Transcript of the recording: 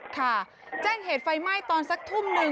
ค่ะแจ้งเหตุไฟไหม้ตอนสักทุ่มหนึ่ง